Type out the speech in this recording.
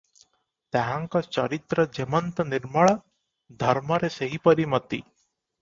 ତାହାଙ୍କ ଚରିତ୍ର ଯେମନ୍ତ ନିର୍ମଳ, ଧର୍ମରେ ସେହିପରି ମତି ।